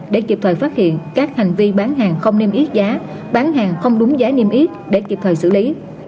để kịp thời phát hiện các hành vi bán hàng không niêm yết giá bán hàng không đúng giá niêm yết để kịp thời xử lý